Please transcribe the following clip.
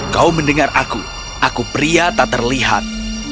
kau mendengar aku aku pria tak terlihat